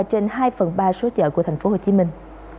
chị đã đi qua trên hai phần ba số chợ của thành phố hồ chí minh